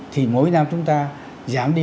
thì mỗi năm chúng ta giảm đi